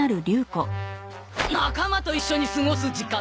仲間と一緒に過ごす時間だ。